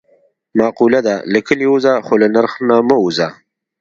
معقوله ده: له کلي ووځه خو له نرخ نه مه وځه.